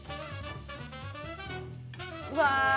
うわ！